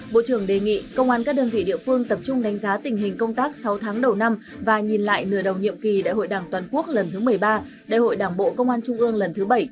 bộ trưởng đề nghị công an các đơn vị địa phương tập trung đánh giá tình hình công tác sáu tháng đầu năm và nhìn lại nửa đầu nhiệm kỳ đại hội đảng toàn quốc lần thứ một mươi ba đại hội đảng bộ công an trung ương lần thứ bảy